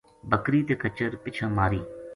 بکری تے کچر پِچھاں ماری